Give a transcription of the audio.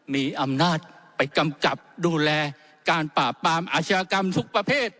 มีอำนาจไปกำกับดูแลการปราบปรามอาชญากรรมทุกประเภท